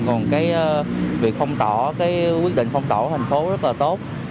còn cái việc phong tỏa quyết định phong tỏa thành phố rất là tốt